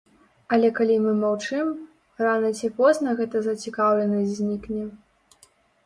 А калі мы маўчым, рана ці позна гэта зацікаўленасць знікне.